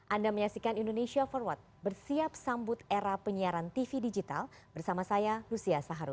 anda menyaksikan indonesia forward bersiap sambut era penyiaran tv digital bersama saya lucia saharu